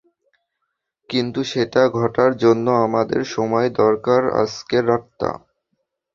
কিন্তু সেটা ঘটার জন্য আমাদের সময় দরকার, আজকের রাতটা।